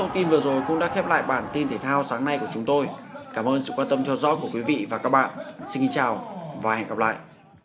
xin chào và hẹn gặp lại